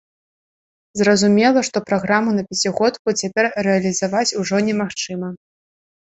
Зразумела, што праграму на пяцігодку цяпер рэалізаваць ужо немагчыма.